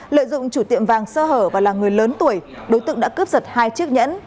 lợi dụng chủ tiệm vàng sarah và là người lớn tuổi đối tượng đã cướp giật hai chiếc nhẫn